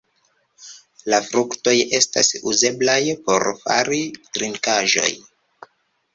La fruktoj estas uzeblaj por fari trinkaĵon.